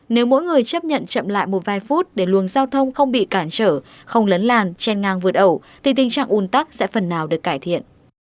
nếu mỗi người chấp nhận chậm lại một vài phút để luồng giao thông không bị cản trở không lấn làn chen ngang vượt ẩu thì tình trạng un tắc sẽ phần nào được cải thiện